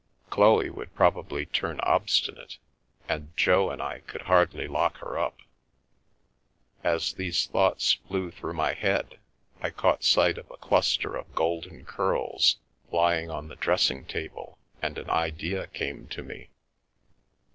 Chloe wou probably turn obstinate, and Jo and I could hardly lo her up. As these thoughts flew through my head caught sight of a cluster of golden curls lying on t dressing table and an idea came to me.